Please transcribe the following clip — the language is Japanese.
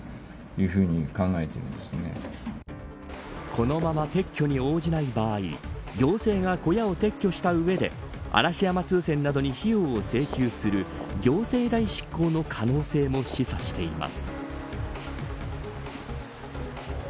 このまま撤去に応じない場合行政が小屋を撤去した上で嵐山通船などに費用を請求する行政代執行の可能性も示唆しています。